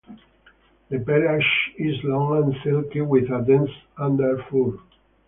The pelage is long and silky with a dense underfur.